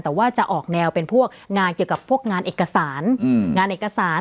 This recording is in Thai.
แต่ว่าจะออกแนวเป็นพวกงานเกี่ยวกับพวกงานเอกสารงานเอกสาร